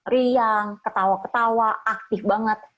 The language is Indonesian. riang ketawa ketawa aktif banget